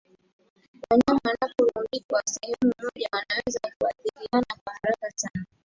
Wanyama wanaporundikwa sehemu moja wanaweza kuathiriana kwa haraka sana